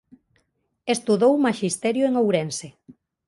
Estudou Maxisterio en Ourense.